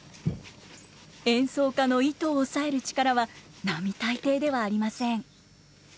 演奏家の糸を押さえる力は並大抵ではありません。